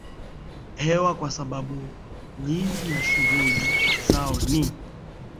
hewa kwa sababu nyingi ya shughuli zao ni